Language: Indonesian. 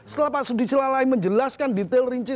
setelah pak sudi cilalai menjelaskan detail rinci